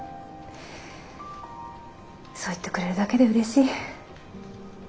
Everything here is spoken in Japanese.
そう言ってくれるだけでうれしい。